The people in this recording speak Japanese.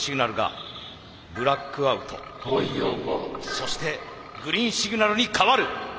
そしてグリーンシグナルに変わる。